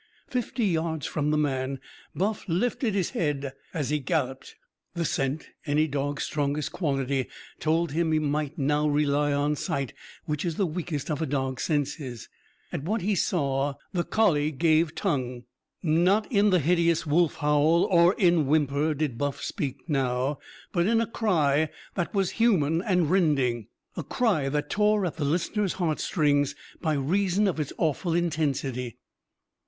Fifty yards from the man Buff lifted his head as he galloped. The scent any dog's strongest quality told him he might now rely on sight, which is the weakest of a dog's senses. At what he saw, the collie gave tongue. Not in the hideous wolf howl or in whimper did Buff speak now, but in a cry that was human and rending a cry that tore at the listener's heartstrings by reason of its awful intensity.